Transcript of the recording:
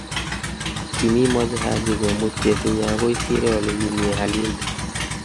Kimimoche Haji komut chesinye okoi sire ole kimii alinte.